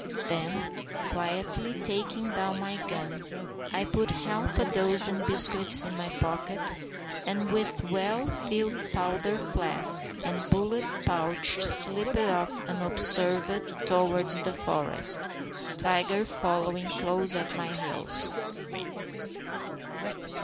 Then, quietly taking down my gun, I put half a dozen biscuits in my pocket, and, with well filled powder flask and bullet pouch, slipped off unobserved towards the forest, Tiger following close at my heels.